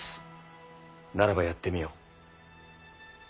ならばやってみよ。